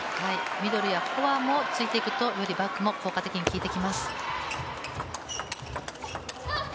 ミドルやフォアも突いていくと、バックもより効果的に効いてきます。